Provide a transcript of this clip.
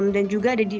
dan juga di online